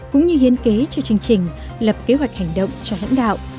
cũng như hiến kế cho chương trình lập kế hoạch hành động cho lãnh đạo